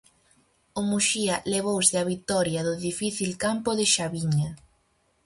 O Muxía levouse a vitoria do difícil campo de Xaviña.